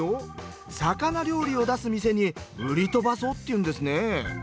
魚料理を出す店に売り飛ばそうっていうんですね。